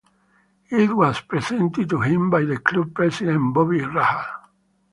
It was presented to him by club president Bobby Rahal.